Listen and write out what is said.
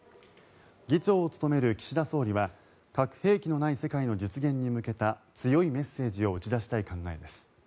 議長を務める岸田総理は核兵器のない世界の実現に向けた強いメッセージを打ち出したい考えです。